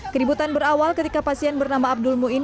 keributan berawal ketika pasien bernama abdul muin